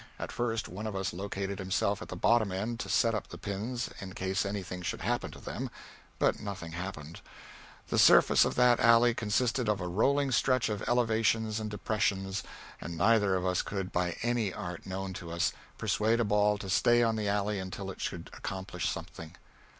At first, one of us located himself at the bottom end to set up the pins in case anything should happen to them, but nothing happened. The surface of that alley consisted of a rolling stretch of elevations and depressions, and neither of us could, by any art known to us, persuade a ball to stay on the alley until it should accomplish something.